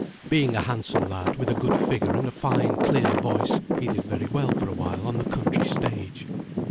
Being a handsome lad, with a good figure and a fine clear voice, he did very well for a while on the country stage.